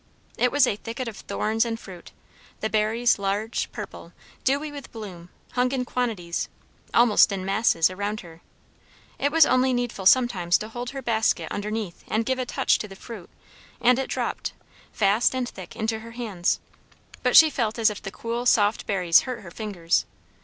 It was a thicket of thorns and fruit; the berries, large, purple, dewy with bloom, hung in quantities, almost in masses, around her. It was only needful sometimes to hold her basket underneath and give a touch to the fruit; and it dropped, fast and thick, into her hands. But she felt as if the cool soft berries hurt her fingers.